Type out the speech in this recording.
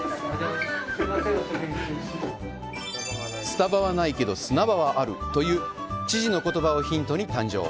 “スタバはないけど砂場はある”という知事の言葉をヒントに誕生。